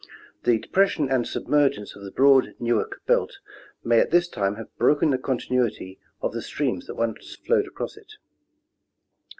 The depres sion and submergence of the broad Newark belt may at this time have broken the continuity of the streams that once flowed across it.